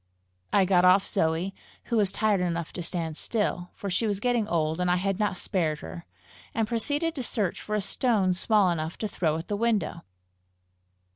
I got off Zoe, who was tired enough to stand still, for she was getting old and I had not spared her, and proceeded to search for a stone small enough to throw at the window.